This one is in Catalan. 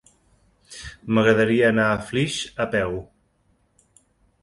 M'agradaria anar a Flix a peu.